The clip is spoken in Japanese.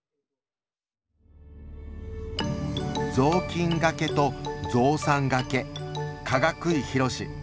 「『ぞうきんがけとぞうさんがけ』かがくいひろし」。